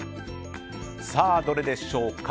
どれでしょうか。